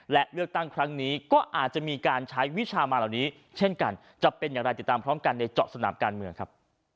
และเลือกตั้งครั้งนี้ก็อาจจะมีการใช้วิชามาเหล่านี้เช่นกันจะเป็นอย่างไรติดตามพร้อมกันในเจาะสนามการเมืองครับ